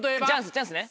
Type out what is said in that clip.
チャンスね。